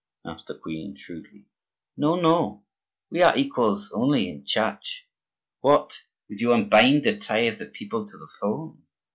asked the queen, shrewdly. "No, no; we are equals only in church. What! would you unbind the tie of the people to the throne?"